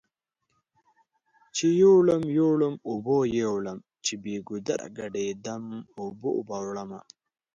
چې يوړم يوړم اوبو يوړم چې بې ګودره ګډ يدم اوبو به وړمه